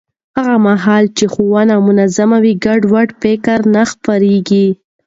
هغه مهال چې ښوونه منظم وي، ګډوډ فکر نه خپرېږي.